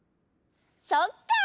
そっか！